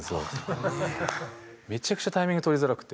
めちゃくちゃタイミング取りづらくて。